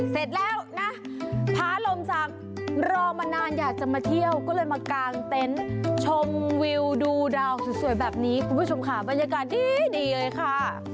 เสร็จแล้วนะพาลมศักดิ์รอมานานอยากจะมาเที่ยวก็เลยมากางเต็นต์ชมวิวดูดาวสวยแบบนี้คุณผู้ชมค่ะบรรยากาศดีเลยค่ะ